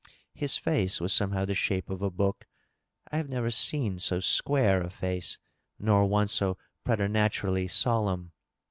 His face was somehow the shape of a book ; I have never seen so square a face, nor one so pretematurally solemn.